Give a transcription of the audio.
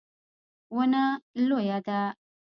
ونه لویه ده